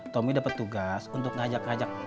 tomi dapet tugas untuk ngajak ngajak